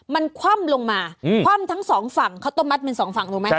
มันคว่ำลงมาคว่ำทั้งสองฝั่งข้าวต้มมัดเป็นสองฝั่งรู้ไหม